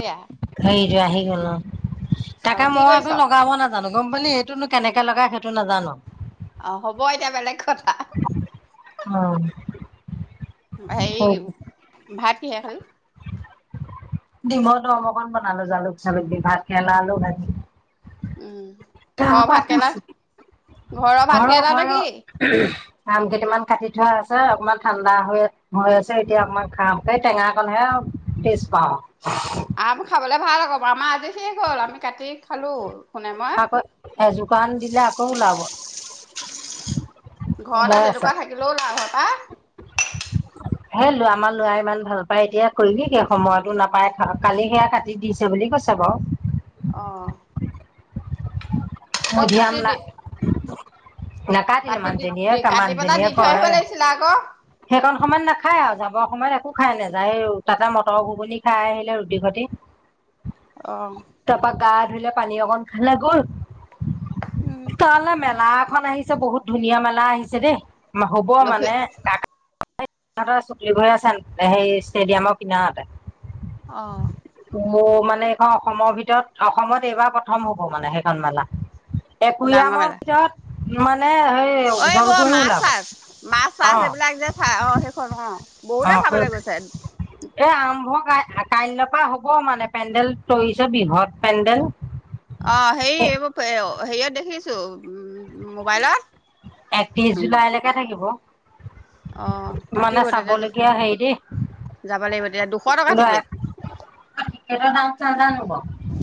সেয়া খেই যোৱা আহি গলো তাকে তাৰপৰা কি মই কৰিছ? আকৌ লগাব নাজো জানো গম পালি, এইটোনো কেনেকে লগাই সেইটো নাজানো। অঁ হ'ব এতিয়া বেলেগ কথা উম হেৰি, ভাত কিহে খালি দিমৰ দম অকণ বনালো, জালুক চালুক দি ভাত কেৰেলা আলু ভাজি উম ঘৰৰ [unintelligible] ভাতকেৰেলা পাপিছো ঘৰৰ ভাতকেৰেলাটো ঘৰ-ঘৰ কি আম কেইটামান কাটি থোৱা আছে অকণমান ঠাণ্ডা হৈ হৈ আছে এতিয়া অকণমান খাও, এই টেঙাকণহে আৰু টেষ্ট পাওঁ। আম খাবলে ভাল আকৌ, আমাৰ আজি শেষ হ'ল আমি কাটি খালো। খুনে মই আকৌ এযোকাৰন দিলে আকৌ ওলাব, ঘৰতে ওলাই তেনেকুৱা আছে। থাকিলেও লাভ হয় পাই সেই ল আমাৰ ল'ৰাই ইমান ভাল পায় এতিয়া কৰিবি কি সময়তো নাপাই কালি সেয়া কাটি দিছে বুলি কৈছে বাৰু। অঁ মধিয়াম লা নাকাাটিলো কাটি দি দি কাটি পেলাই দি মানুজনীয়ে-মানুহজনীয়ে থৈ কৰে, আহিব লাগিছিলে আকৌ সেইকন সময়ত নাখায় আৰু যা অসময়ত একো খাই নাযায়, তাতে মটৰ ঘুগুনি খাই আহিলে ৰুটি সতি। অ টাপা গা ধৰিলোৱা পানী অকন খাই লৈ গ'ল। উম কালে মেলা খন আহিছে বহুত ধুনীয়া মেলা আহিছে দেই। হ'ব লক্ষী মানে, টা তাতে সিহঁতৰ ছুটিং হৈ আছে সেই ষ্টেডিয়ামৰ কিনাৰতে। অঁ। মোৰ মানে এইখন অসমৰ ভিতৰত অসমত এইবাৰ প্ৰথম হ'ব মানে সেইখন মেলা। একুৰিআমৰ ভিতৰত ইমান অ এইবোৰ মাছ চাছ, মাছ অ চাছ এইবিলাক যে চাই অঁ সেইখন অ। অ বহুতে চাবলৈ গৈছে এ আৰম্ভ অঁ কা কাইলৈ পৰা হ'ব মানে পেণ্ডেল তৰিছে বৃহৎ পেণ্ডেল। অঁ হেৰি এ এইবোৰ অঁ, হেৰিয়াত দেখিছোঁ উম মোবাইলত একত্ৰিশ জুলাইলৈকে থাকিব। অঁ মানে থাকিব তেতিয়া যা চাবলগীয়া হেৰি দেই যাব লাগিব তেতিয়া, দুশ টকা টিকেট। চাধ ন হ'ব।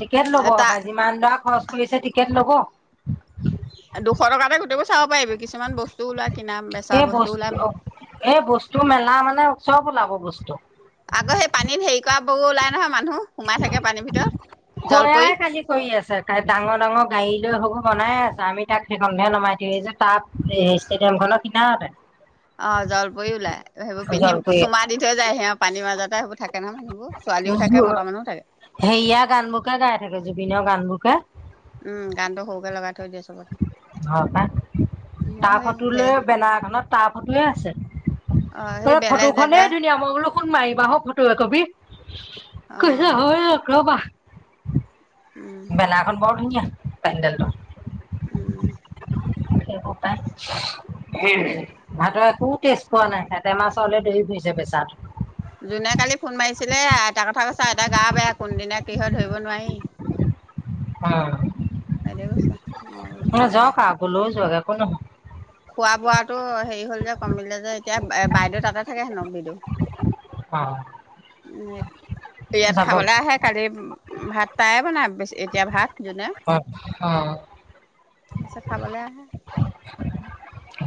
টিকেট ল'ব এটা পাই যিমান দৰা খৰচ। খুলিছে টিকেট ল'ব। দুশ টকাতে গোটব চাব পাৰিবি কিছুমান বস্তু ওলাই। কিনা বেচা এই বস্তু ওলাই -এই বস্তু মেলা মানে চব ওলাব বস্তু। আগৌ সেই পানীত হেৰি কৰা বো ওলাই নহয় মানুহ। সোমাই থাকে পানীৰ ভিতৰত জলপৰি সেয়াই কালি কৰি আছে ডাঙৰ -ডাঙৰ গাড়ী লৈ হ'ব। বনাই আছ আমি তাক সেইখনহে নমাই দিওঁ এই যে তাত ষ্টেডিয়াম খনৰ কিনাৰতে। অহ ', জ্বলপুৰি ওলাই সেইবোৰ পিন্ধিম চুমা দি থৈ যায় সি পানীৰ মাজত। তাই হব থাক। [unintelligible] হেৰিয়াৰ গান বোৰকে গাই থাকে জুবিনৰ গান বোৰ। কহ ', উম', গানটো সৰুকে লগাই থৈ দিয়ে চবতে। অহ ', তাৰ মই ফটো সেই লৈ বেনাৰ এখনত তাৰ ফটোয়ে আছে অ সেই ত বেলেগ ফটো জেগা খনেই ধুনীয়া মই বোলো ফোন মাৰিবা হক ফটো একপি। অ কছ হয় লগ ৰৱা [unintelligible] উম মেলা এখন বৰ ধুনীয়া। পেণ্ডেলটো। উম সেইব পায় ভাত একো টেষ্ট পোৱাত নাই হতে মাছ হলে দেৰি ধুৰিছে বেচাটো। যোনে কালি ফোন মাৰিছিলে আইটা কথা কৈছা আইটা গা বেয়া কোনদিনা কি হয় ধৰিব নোৱাৰি। অহ সেইটোৱে কৈছে মই বোলো ', ম তাকেহে যাওক গ'লৈ যোৱাগৈ। শুন। খোৱা বোৱাটো হেৰি হ'ল যে কমিলে যে এতিয়া বাইদেউ তাতে থাকে হেনক বিদুউ। অহ ', ন ইয়াত খাবলৈ আহে কালি। ভাত তটায়ে বনাইেছি এতিয়া ভাত। অহ ', - অহ ', আ চ খাবলৈ আহে।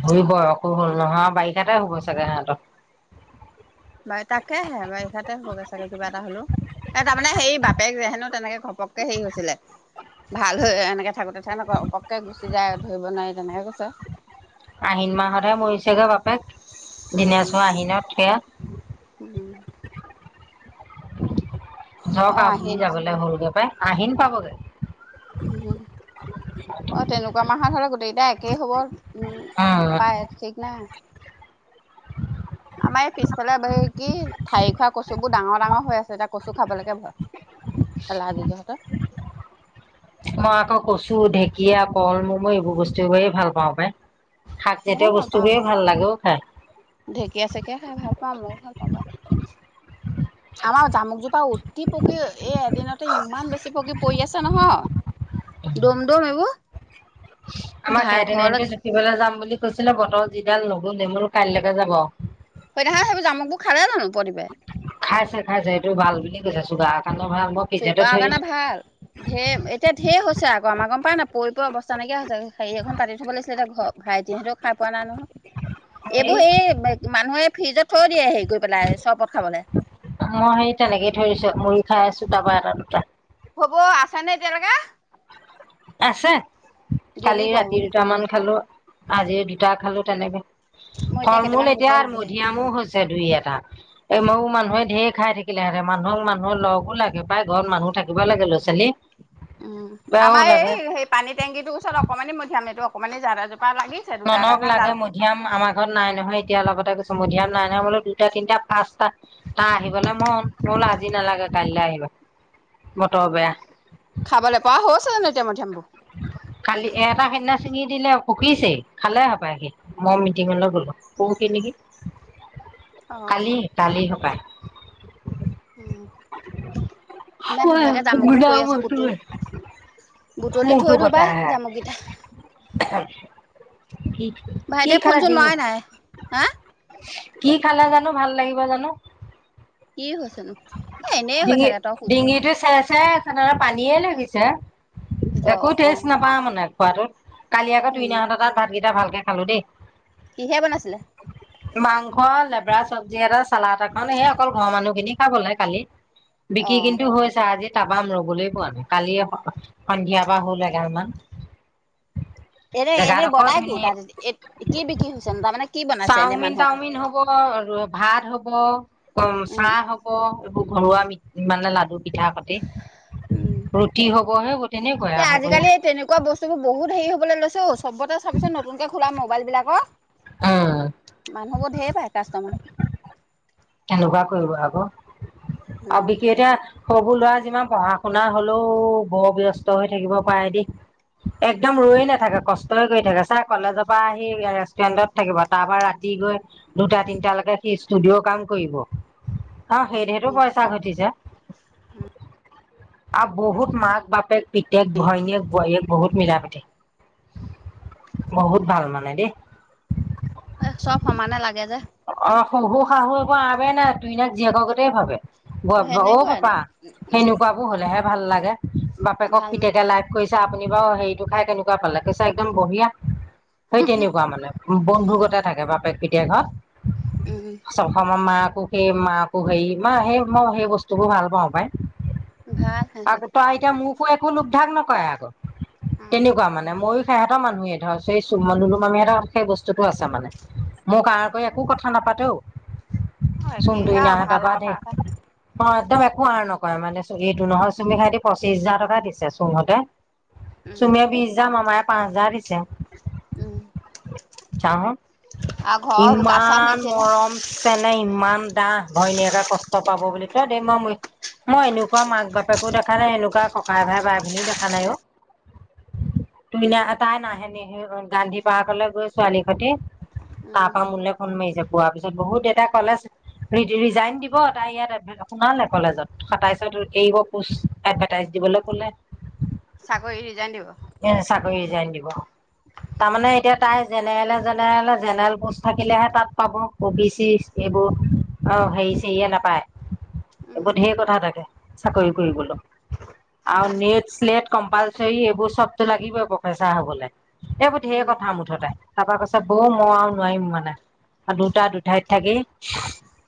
ঘোৰিব অসুখ হ'ল নহয় বাৰিষাতে হুব চাগে সেহঁতৰ। বাৰু তাকে হে বাৰু তাকে হগৈ চাগে কিবা এটা হলো এ তাৰমানে হেৰি বাপেক যে হেনো তেনেকে ঘপককে হেৰি হৈছিলে ভাল হৈ এনেকে থাকোতে থে নক ঘপককে গুচি যায় ধৰিব নোৱাৰি তেনেকে কৈছে। আহিন মাহতহে মৰিছেগৈ বাপেক। দিনেছো উম আহি নত উম স। যক অ আ বুঢ়ি আহিন যাবলৈ হলগে পাই। আহিন পাবগে। উ অ তেনেকুৱা মাহত হলে গোতে দোইতা একেই হব। উম উম পায় ঠিক নাই। আমাৰ এই পিছফালে কি ঠাইি খোৱা কচু বোৰ ডাঙৰ ডাঙৰ হৈ আছে এতিয়া কচু খাবলৈকে ভয় লাহ য যোৰহতৰ। মই আকৌ কচু ঢেকীয়া কল মম' এইবোৰ বস্তু বৰে ভাল পাও বে। ময়ো শাকজাতীয় ভাল বস্তু পাওঁ বোৰে সেইবোৰ ভাল লাগে ও খাই। ঢেকীয়া চেকিয় খাই ভাল পাওঁ মইও ভাল পাওঁ বা আমাৰ জামুকজোপা অতি পকী এই এদিনতে ইমান বেছি পকী পৰি আছে নহয় দম দম এইবোৰ। আমাক ভাই [unintelligible] ঘৰলৈ যাম বুলি কৈছিলে বতৰ যিডাল নগোল মোৰ কাইলৈকে যাব। সেইদিনা খন সেইবোৰ জামুকবোৰ খালে জানো পদিপ এ? আছে সটো ভাল বুলি কৈছে ছোগাৰত। চুগাৰৰ কাৰণে ভাল ঢেৰ এতিয়া ঢেৰ হৈছে আকৌ আমাৰ গম পাও নাপায় পৰি পৰি অৱস্থা নাইকিয়া হৈছে হেৰি এখন তানি থব লাগছিলে ভাইটিহঁতেও খাৰ পোৱা নাই নহয়। হেৰি এইবোৰ সেই মানুহে ফ্ৰিজত থৈও দিয়ে হেৰি কৰি পেলাই চৰপত খাবলে। মই হে তেনেকেই ঠয় দিছো মুৰি খাই আছো তাৰপা এটা দুটা। হ'ব আছ নে এতিয়ালৈকে। আছে। কালি গেলিব ৰাতি দুটামান খালো। আজি দুটা খালো তেনেকে। মই ফল মূল কেইটামান এতিয়া বুটল আৰু দে। মধিয়ামৌ হৈছে। দুই এটা এই ময়ো মানুহে ধেৰ খাই থাকিলে সেহতে মানুহক মানুহৰ লগো লাগে প্ৰায় ঘৰত মানুহ থাকিব লাগে লৈ উম। আমাৰ এই, লাগে। সেই পানীৰ টেংকিটোৰ ওচৰত অকণমানি মধ ঠানি তো অকমানে জ ননক লাগে মধিয়াম আমাৰ ঘৰত নাই নহয়, এতিয়া লগতে গৈছ। মধিয়াম নাই টামোলও দুটা, তিনিটা, পাঁচটা তাৰ, আহিবলৈ মন ময়বোলো আজি নালাগে কাইলৈ আহিবা, বতৰ বেয়া। খাবলৈ পৰা হৈছে জানো মধুয়ামবোৰ খালি এটা সেইনা ছিঙি দিলে পকিছে খালে হপাই মি মই মিটিঙলৈ গলো পৰহি নেকি। অ কালি, কালি হপায়। অ। [unintelligible] বুটলি মূৰটো থৈ দিওঁ বটা পাই হে। জামুককেইটা কি কি ভাইটে খালা ফোনচোন ডিঙি মৰাই নাই, হা। কি খালে জানো ভাল লাগিব জানো? কিহল জানো এ, এনেই হৈ থাকে ত অসুধ ছেৰাই আছে তাৰমানে পানীয়ে জ লাগিছে। অ একোতেষ্ট নাপাও মানে। খোৱাটো কালি আকৌ উম তইনাহঁত তাত ভাত কেইটা ভাল। খালো, দেই। কিহে বনাইছিলে? মাংস লেবেৰা চব্জি এটা, চালাদ এখন নে, সেই অকল ঘৰৰ মানুহখিনিক। খাবলে কালি বিক্ৰী অ কিন্তু হৈছে আজি টাপা ম ৰবলৈ পোৱা নাই কালি সন্ধিয়াৰ পৰা হ'ল এগালমান। এনে, এনে বনাই কি তাত কি বিক্ৰী হৈছে, তাৰমানে কি বনাইছে। এনে চাওমিন মানুহক তাওমিন হ'ব ভাত হব। অম, উম চাহ। এইবোৰ ঘৰুৱা মি মানে লাডু। পিঠা সতে উম, ৰুটি হবহে তেনেকুৱাই এ, আৰু আজিকালি তেনেকুৱা বস্তুবোৰ বহুত হেৰি হবলৈ লৈছে অ। চবতে চাবিচোন নতুনকৈ খোলা মোবাইলবিলাকৰ মানুহবোৰ ধেৰ। পাই কাষ্টমাৰ। কেনেকোৱা কৰিব আক' আৰু উম বিকি এতিয়া হ সৰুবোৰ লৰা যিমান পঢ়া শুনা হলেও বৰ ব্যস্ত হৈ থাকিব পাৰে দেই। একদম ৰয়ে নাথাকে, কষ্টই কৰি থাকে। চা কলেজৰ পৰা আহি ৰেষ্টুৰেণ্টত থাকিব তাৰ পৰাা ৰাতি গৈ দুটা তিনটা লৈকে সি ষ্টুডিঅ কাম। কৰিব। অ, সেইদে টো পইচা ঘটিছে। হম। আৰু বহুত মাক বাপেক। পিতেক, ভনীয়েক, বোৱাৰীয়েক। বহুত মিলা প্ৰীতি, বহুত ভাল মানে দেই। এ চব সমানে লাগে যে। শহু -শাহুৰ পৰা আগে নাই দুইনাক জীয়েকৰ কথাই ভাবে অহ সেনেকুৱাই পাপা আৰু সেনেকুৱাবোৰ হ'লেহে ভাল লাগে বাপেকক ভাল ম ফিতেকে লাৰত কৰিছে তে আপুনি বাৰু, হেৰিটো খাই কেনেকুৱা পালে? কৈছে একদম বঢ়িয়া। সেই তেনেকুৱা মানে উম বন্ধুকতে থাকে বাপেক [unintelligible] উম [unintelligible] সেই মাকো হেৰি, মই সেই মই সেই বস্তু বোৰ ভাল পাওঁ পাই। ভাল সিহঁতৰ আগতে আইতা, এতিয়া মোক। অহ আকৌ একো লোকধাক নকৰে আকৌ উম তেনেকুৱা মানে, ময়ো। সিহঁতৰ মানুহে ধৰ, সেই চুমলোলো মামিহঁতৰ সেই বস্তুটো আছে মানে। মোক আৰ কৰি একো কথা নাপাতেও অ চুমন্দুৰি একেহে না আৰু ভাল ডবা দে কথা এটা অহ একদম একো আৰ নকৰে মানে। চুমিহতে এইটো নহয় চুমি হতে পঁচিশ হাজাৰ টকা দিছে চুঙহতে। উম চুমীয়ে বিছ হাজাৰ মোমায়ে পাঁচ হাজাৰ দিছে উম। যা হক আৰু ঘৰ ইমান মৰম চেনেহ, ইমান দাহ ভৈনীয়েকে কষ্ট পাব বুলি। তই মই মই এনেকুৱা মাক বাপেকো দেখা নাই এনেকুৱা ককাই ভাই বাই ভনীও দেখা নাই অহ। তুমি নাহে তাই নাহে গান্ধী পাৰ্কলৈ গৈ ছোৱালীৰ সৈতে উম তাৰপা মোলৈ নিজে পোৱাৰ পিছত বহুত এাই কলেজ ৰিজাইন দিব তাই ইয়াত সোমালে কলেজত সাতাইশত এৰিব পোচ এডভাৰটাইজ দিবলৈ ক'লে চাকৰি ৰিজাইন দিব? এ ৰিজাইন দিব, তাৰ মানে এতিয়া তাই জেনেৰেলৰ জেনেৰেলৰ জেনেৰেল পোষ্টত দেখিলেহে তাত পাব অ বি চি এইবোৰ অহ হেৰি চেৰিয়ে নাপায় এইবোৰ উম ঢেৰ কথা থাকে চাকৰি কৰিবলৈ আৰু উম নেট, শ্লেট কম্পালচৰি এইবোৰ চবটো লাগিবই প্ৰফেচাৰ হ'বলৈ এইবোৰ ঢেৰ কথা মুঠতে। তাৰপৰা কৈছে বৌ মই আৰু নোৱাৰিম মানে দুটা দুঠাইত থাকি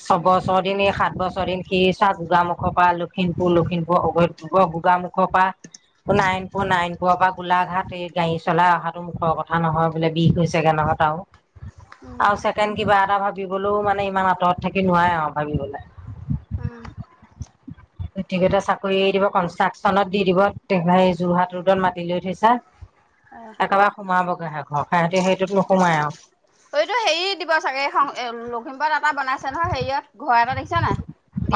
ছবছৰ দিন এই সাত বছৰ দিন সি চোৱা গোগামুখৰ পৰা লখিমপুৰ, লখিমপুৰ গোগামুখৰ পৰা নাৰায়ণপুৰ, নাৰায়ণপুৰৰ পৰা গোলাঘাট এই গাড়ী চলাই অহাটো মুখৰ কথা নহয় বোলে বিষ হৈছেগে নহয় তাৰো উম আৰু ছেকেণ্ড কিবা এটা ভাবিবলৈও মানে ইমান আঁতৰত থাকি নোৱাৰে আৰু ভাবিবলৈ, উম উম গতিকে চাকৰি এৰি দিব কনষ্ট্ৰাকচনত দি দিব‌ তেহে‌ যোৰহাট ৰোডত মাতি লৈ থৈছে অ একেবাৰে সোমাবগৈহে ঘৰ সিহঁতি সেইটোত নোসোমাই আৰু সি দিব চাগে লখিমপুৰত এটা বনাইছে নহয় হেৰিয়াত ঘৰ এটা দেখিছা নে,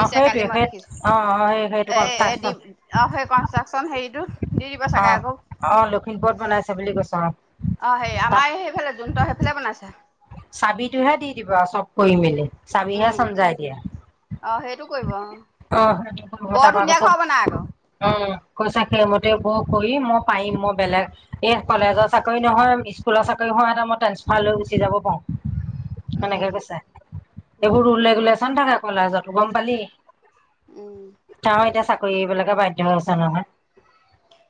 অ কালি সেইটোৱে মই সেই দেখিছো অ সেই সেইটো এহ এহ দি কনষ্ট্ৰাকচন অহ সেই কনষ্ট্ৰাকচন হেৰিটো দি দিব অ চাগে আকৌ অ লখিমপুৰত বনাইছে বুলি কৈছে অ অহ সেই তাত আমাৰ সেইফালে জোনহতৰ সেইফালে বনাইছে। চাবিটোহে দি দিব আৰু চব কৰি মেলি। চাবিহে উম চমজাই দিয়া, অ সেইটো কৰিব অ অহ, সেই বৰ তাৰপা ধুনীয়া চব ঘৰ বনাই আকৌ উম্ কৈছা সেইমতে ব, কৰি মই পাৰিম মই বেলেগ এই কলেজৰ চাকৰি নহয়, স্কুলৰ চাকৰি হয়, এটা মই ট্ৰেন্সফাৰ লৈ গৈছো। জিৰাব পাওঁ। সেনেকে উম কৈছে উম এইবোৰ ৰুল ৰেগুলেচন থাকে। পলাই যোৱাতো গম পালি? উম তাহ এতিয়া চ, এইবিলাকে বাধ্য হৈছে নহয়।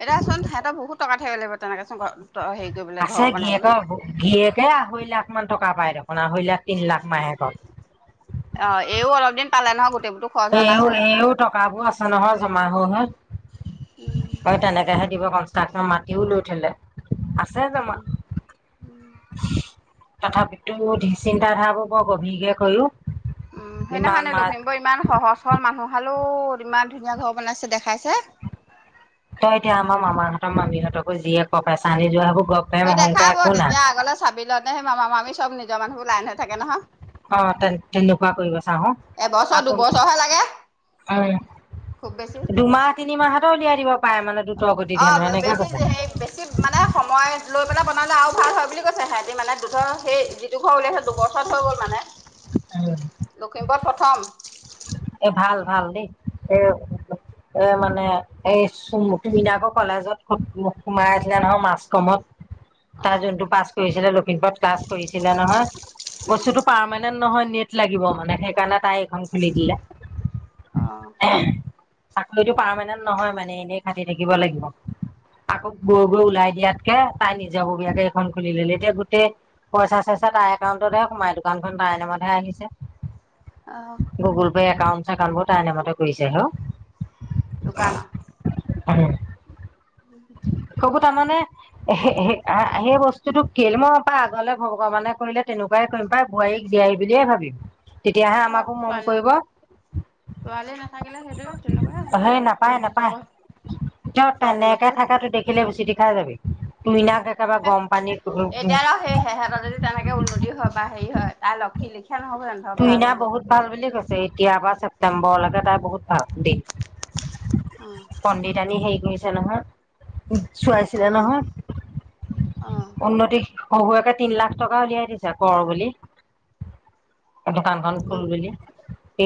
এতিয়া চোন সিহঁতৰ বহুতটকা, থাকিব লাগিব তেনেকেচোন ঘৰত। আছে গীৰীয়েকৰ গীৰীয়েকে আৰহৈ লাখ মান টকা, টকা পাই দেখোন, আঢ়ৈ লাখ, তিন লাখ মাহেকত। অ, এইও অলপ দিন পালে নহয় গো, হেও এইও টকাবোৰ আছে। নহয় জমা হৈ হৈ। উম বাৰু তেনেকেহে দিব কচ, তাত ন ', মাতিও লৈ থলে, আছে জমা উম -উম তথাপিতো চিন্তাধাৰাবোৰ বৰ গভীৰকে কৰিও। উম, ইমান সেইদিখনে মাত লখিমপুৰ ইমান সহজ -সৰল মানুহ হাল, হেল্ল', ইমান ধুনীয়া ঘৰ বনাইছে দেখাইছে। তই এতিয়া আমাৰ মামাহতৰ মামিহঁতকো যিয়ে ক পইচা আনি যোৱা হব। সেই দেখাব তেতিয়া আগলৈ চাবিল ন ', সেই মামা -মামি চব নিজৰ মানুহ, লাইন হৈ থাকে নহয়। অহ ', তেন -তেনেকুৱা কৰিব। এবছৰ আকৌ দুবছৰহে লাগে উম, খুব বেছি। দুমাহ, তিনিমাহটো উলিয়াই দিব, পাৰে মানে দ্ৰুতৰ গতিত অ হেনো ', এনেকে বেছি কৈছে হে, বেছি মানে সময় লৈ পেলাই বনালে আৰু ভাল হয়। বুলি কৈছে হেহেতি মানে দু -ধৰ সেই যিটো ঘৰ ওলিয়াইছে দুবছৰত হৈ গ'ল মানে। উম লখিমপুৰত প্ৰথম। এ, ভাল -ভাল দেই, এ'এ' মানে এই তুমিনে আকৌ কলেজত সোমায়ে দিলা নহয় নহয় মাচ -কমত। অ তাৰ জোনটো পাছ কৰিছিলে লক্ষিমপুৰত ক্লাছ কৰিছিলে নহয় উম বস্তুতটো পাৰমানেণ্, নহয় নেট লাগিব মানে সেইকাৰণে তাই, আং খুলি দিলে। আঃ হ চাকৰিতটো পাৰমানেন্ট নহয় মানে এনেই খাটি থাকিব লাগিব আকৌ গৰু গোৰ ওলাই দিয়াতকে তাই নিজাববীয়াকে এইখন খুলি লিলে এতিয়া গোটেই পইচা চইচা তাই একাউন্টতহে সোমাই দোকানখন তাইৰ নামতহে আহিছে অহ হে একাউণ্ট চেকাউন বোৰ তাই নামতে কৰিছে হেঅ দোকান অহ উম আকৌ তাৰমানে সে সে আ সেই বস্তুটো কেল মই পা আগলে ভগৱানে কৰিলে তেনেকুৱাই কৰিম পাই বোৱাৰীক জীয়াইই বুলিয়ে ভাবিম তেতিয়াহে অ আমাকো মৰম ছোৱালী কৰিব ছোৱালী নাথাকিলে সেইটোৰে তেনেকুৱাই হ'ব সেই লাগে নাপায় নিজৰ ছোৱালী গতে ভাবিব থাকাতটো দেখিলে বিছটি হয় নেকি তুমি না এতিয়া আৰু সেই সেহঁতৰ যদি তেনেকে উন্নতি হয় বা হেৰি হয় তাই লক্ষি লিখি তুইনা বহুত ভাল বুলি কৈছ এতিয়া বা ছেপ্তেম্বৰলৈকে তাই বহুত ভাল দিন অ', পণ্ডিত আনি হেই কৰিছে ছে নহয় উম চোৱাইছিলে অ', নহয় অ', উন্নতি শহুয়েকে তিন লাখ টকা উলিয়াই দিছে কৰ বুলি দোকানখন খুল কোন বুলি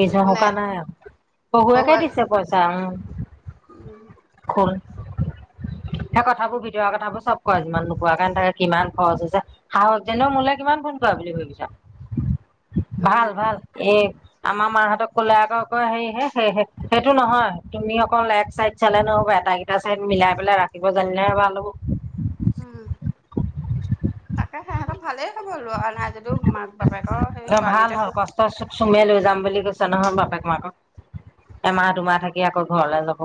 এইজ কোনে শুকা নাই আৰু শহুৱেকে দিছে পইচা উম উম সেই কথাবোৰ ভিতৰুৱা কথাবোৰ চব কয় যিমান নোকোৱাকে নাথাকে কিনাত ঘৰ আছে যে শাহুৱেক জনেও মোলে কিমান ফোন কৰে বুলি ভাবিছা উম, ভাল ভাল এই আমাৰ মা হতক কলে আকৌ আকৌ হেৰি হে সে সেইটো নহয় তুমি অকল এক চাইড চালে নহ'ব আটাই কেইটা চাইদ মিলাই পেলাই ৰাখিব জানিলেহে ভাল হ'ব উম তাকে সে সেকণ ভালেই হব লৰা নাই যদিও মাক বাপেকৰ সেই ভাল ছোৱালীতে হ'ল সুখ কষ্ট চুমে লৈ যাম বুলি কৈছে নহয় বাপেক মাকক এমাহ দুমাহ থাকি আকৌ ঘৰলে যাব।